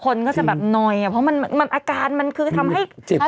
คนก็จะแบบหน่อยอ่ะเพราะมันมันอาการมันคือทำให้